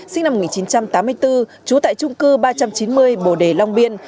sinh năm một nghìn chín trăm tám mươi bốn trú tại trung cư ba trăm chín mươi bồ đề long biên